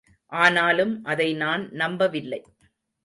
ஆனாலும் அதை நான் நம்பவில்லை.